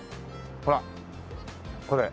ほらこれ。